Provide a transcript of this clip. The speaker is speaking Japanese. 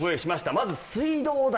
まず水道代。